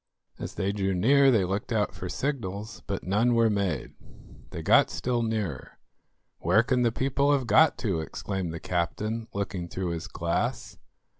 As they drew near they looked out for signals, but none were made. They got still nearer. "Where can the people have got to?" exclaimed the captain, looking through his glass.